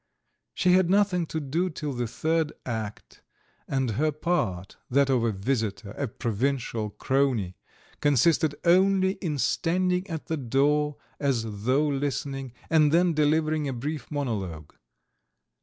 She had nothing to do till the third act, and her part, that of a visitor, a provincial crony, consisted only in standing at the door as though listening, and then delivering a brief monologue.